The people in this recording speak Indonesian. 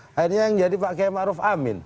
akhirnya yang jadi pak km arof amin